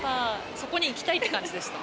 そこに行きたいって感じでした